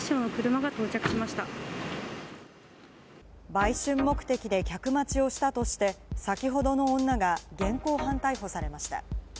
売春目的で客待ちをしたとして、先ほどの女が現行犯逮捕されました。